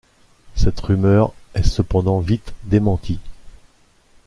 Cette rumeur est cependant vite démentie.